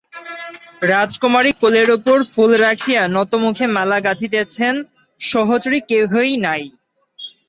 রাজকুমারী কোলের উপর ফুল রাখিয়া নতমুখে মালা গাঁথিতেছেন, সহচরী কেহই নাই।